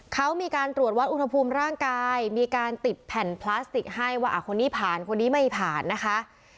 เขามีการตรวจวัดอุณหภูมิร่างกายมีการติดแผ่นพลาสติกให้ว่าคนนี้ผ่านคนนี้ไม่ผ่านนะคะ